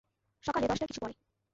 সকালে দশটার কিছু পরে।